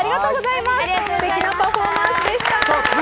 すてきなパフォーマンスでした。